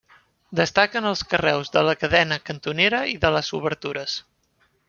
Destaquen els carreus de la cadena cantonera i de les obertures.